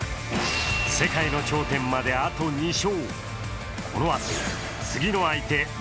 世界の頂点まであと２勝。